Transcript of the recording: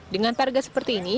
dengan targa seperti ini